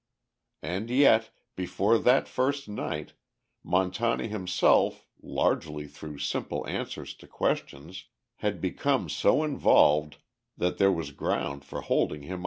And yet, before that first night, Montani himself, largely through simple answers to questions, had become so involved that there was ground for holding him under arrest.